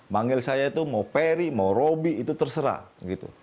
manggil saya itu mau peri mau robby itu terserah gitu